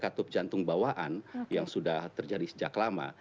katup jantung bawaan yang sudah terjadi sejak lama